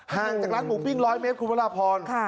ห่างจากร้านหมูปิ้ง๑๐๐เมตรคุณพระราพร